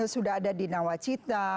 sudah ada di nawacita